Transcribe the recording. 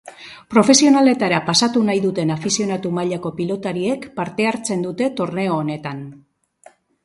Profesionaletara pasatu nahi duten afizionatu mailako pilotariek parte hartzen dute torneo honetan.